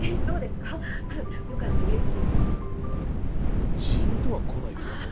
まあジーンとはこないけどね。